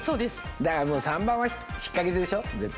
だからもう３番は引っかけでしょ絶対。